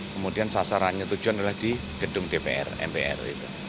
kemudian sasarannya tujuan adalah di gedung dpr mpr